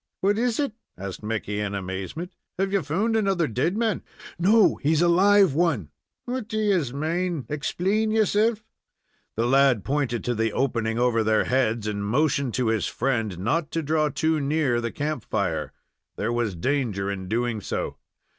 "What is it?" asked Mickey, in amazement; "have ye found another dead man?" "No; he's a live one!" "What do yez mane? Explain yerself." The lad pointed to the opening over their heads, and motioned to his friend not to draw too near the camp fire. There was danger in doing so.